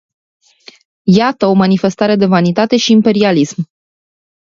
Iată o manifestare de vanitate și imperialism!